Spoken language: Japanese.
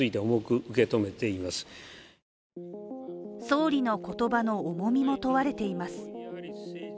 総理の言葉の重みも問われています。